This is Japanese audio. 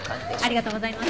ありがとうございます。